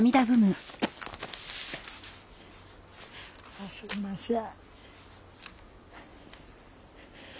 あっすいません。